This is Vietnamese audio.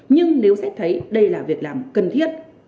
nhưng nếu xét thấy đây là việc làm cần thiết